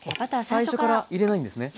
最初から入れないんですね。